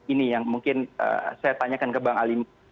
ini yang mungkin saya tanyakan ke bang ali